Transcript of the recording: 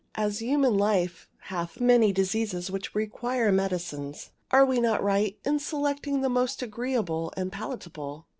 As human life hath many diseases which require medicines, are we not right in selecting the most agreeable and palatable?